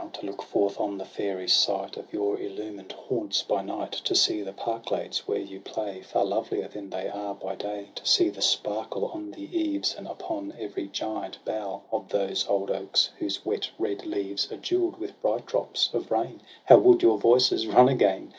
To look forth on the fairy sight Of your illumined haunts by night, To see the park glades where you play Far lovelier than they are by day. To see the sparkle on the eaves, And upon every giant bough TRISTRAM AND ISEULT, 207 Of those old oaks, whose wet red leaves Are jeweird with bright drops of rain — How would your voices run again